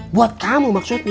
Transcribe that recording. buat kamu maksudnya